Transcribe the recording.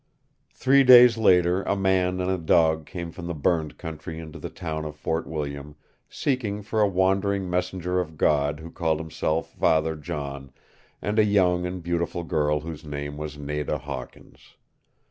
Three days later a man and a dog came from the burned country into the town of Fort William, seeking for a wandering messenger of God who called himself Father John, and a young and beautiful girl whose name was Nada Hawkins.